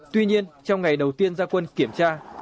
tuy nhiên trong ngày đầu tiên gia quân kiểm tra